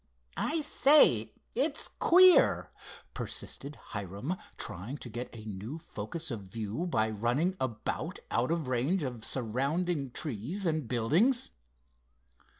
"I say, it's queer," persisted Hiram, trying to get a new focus of view by running about out of range of surrounding trees and buildings.